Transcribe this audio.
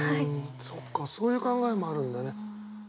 そっかそういう考えもあるんだね。